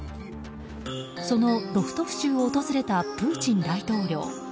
そのロストフ州を訪れたプーチン大統領。